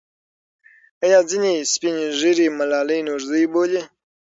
آیا ځینې سپین ږیري ملالۍ نورزۍ بولي؟